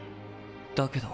だけど。